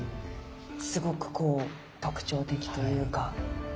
すごくこう特徴的というか。